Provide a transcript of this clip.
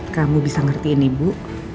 kamu bisa ngertiin ibu